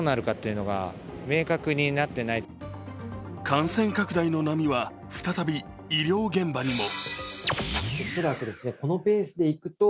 感染拡大の波は再び医療現場にも。